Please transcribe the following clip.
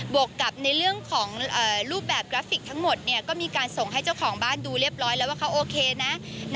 วกกับในเรื่องของรูปแบบกราฟิกทั้งหมดเนี่ยก็มีการส่งให้เจ้าของบ้านดูเรียบร้อยแล้วว่าเขาโอเคนะ